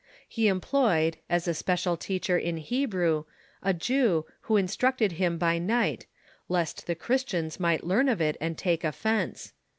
He employed, as a special teacher in Hebrew, a Jew, who instructed him by night, lest the Christians might learn of it and take offence.